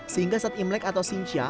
sehingga saat imlek atau xinjia